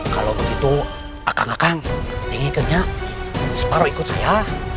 kalau begitu akang akang ingin ikutnya separuh ikut saya